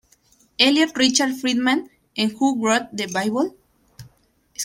Elliott Richard Friedman, en "Who wrote the Bible?